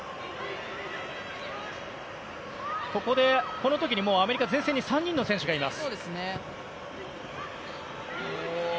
この時にアメリカ前線に３人の選手がいます。